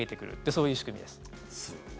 そういう仕組みです。